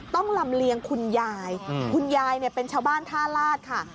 ลำเลียงคุณยายคุณยายเนี่ยเป็นชาวบ้านท่าลาศค่ะ